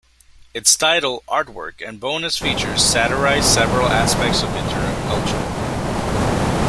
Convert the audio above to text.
Its title, artwork and bonus features satirize several aspects of internet culture.